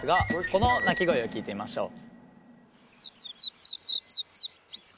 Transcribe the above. この鳴き声を聞いてみましょう。